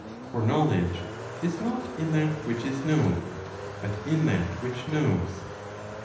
For knowledge is not in that which is known, but im that which knows.